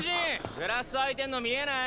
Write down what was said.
グラス空いてんの見えない？